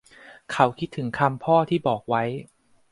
เขาคิดถึงคำพ่อที่บอกไว้